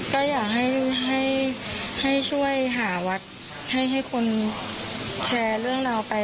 ก็อยากให้ช่วยหาวัดให้คนแชร์เรื่องราวไป